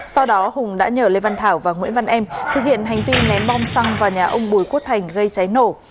sau đó hùng đã nhờ lê văn thảo và nguyễn văn em thực hiện hành vi ném bom xăng vào nhà ông bùi quốc thành gây cháy nổ